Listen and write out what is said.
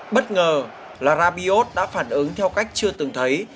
bất ngờ là rabios đã phản ứng theo cách chưa từng thấy